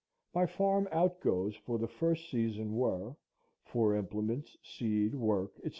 My farm outgoes for the first season were, for implements, seed, work, &c.